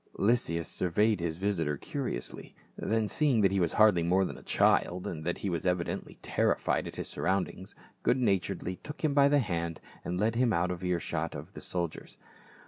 Lysias surveyed his visitor curiously, then seeing that he was hardly more than a child, and that he was evidently terrified at his surroundings, good naturedly took him by the hand and led him out of ear shot of the soldiers.